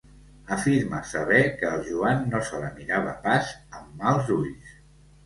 Afirma saber que el Joan no se la mirava pas amb mals ulls.